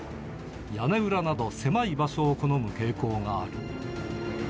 屋根裏など、狭い場所を好む傾向がある。